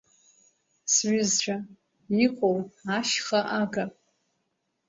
Сҩызцәа иҟоу ашьха, ага…